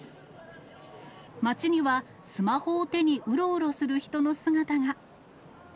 街には、スマホを手にうろうろする人の姿が。